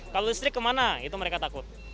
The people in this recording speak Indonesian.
kalau listrik kemana itu mereka takut